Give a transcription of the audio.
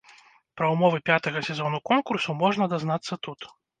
Пра ўмовы пятага сезона конкурсу можна дазнацца тут.